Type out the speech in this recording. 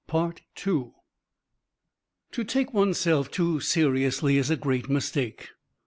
To take one's self too seriously is a great mistake.